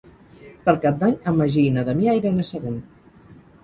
Per Cap d'Any en Magí i na Damià iran a Sagunt.